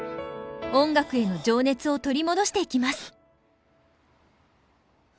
音楽への情熱を取り戻していきます。